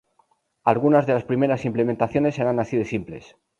Algunas de las primeras implementaciones eran así de simples.